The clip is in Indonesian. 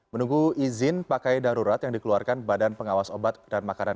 menunggu izin pakai darurat yang dikeluarkan badan pengawas obat dan makanan